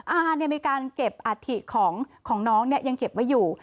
อ้านี่มีการเก็บอาถิตของน้องเนี่ยยังเก็บไว้อยู่